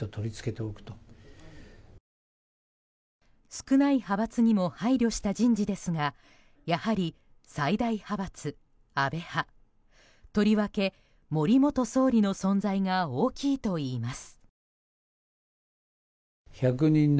少ない派閥にも配慮した人事ですがやはり最大派閥・安倍派とりわけ森元総理の存在が大きいといいます。